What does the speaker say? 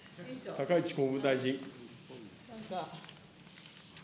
高市法務大臣。